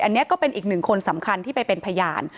อันนี้ก็เป็นอีกหนึ่งคนสำคัญที่ไปเป็นพยาน